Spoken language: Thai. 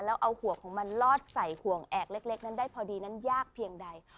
แล้วเอาหัวของมันลอดใส่ห่วงแอกเล็กนั้นได้พอดีนั้นยากเพียงใด